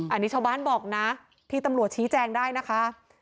อันนี้ชาวบ้านบอกนะที่ตำรวจชี้แจงได้นะคะ